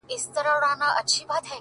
o يا الله تې راته ژوندۍ ولره؛